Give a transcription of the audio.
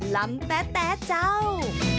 ล้ำแป๊บแป๋เจ้า